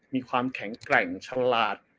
มีความแข็งแกร่งฉลาด